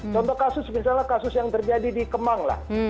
contoh kasus misalnya kasus yang terjadi di kemang lah